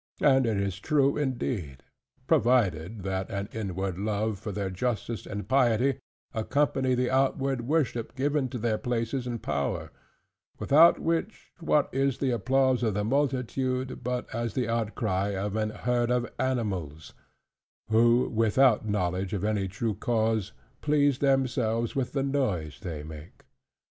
And it is true indeed: provided, that an inward love for their justice and piety accompany the outward worship given to their places and power; without which what is the applause of the multitude, but as the outcry of an herd of animals, who without the knowledge of any true cause, please themselves with the noise they make?